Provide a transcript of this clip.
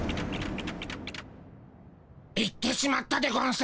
行ってしまったでゴンス。